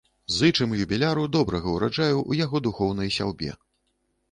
Зычым юбіляру добрага ўраджаю ў яго духоўнай сяўбе!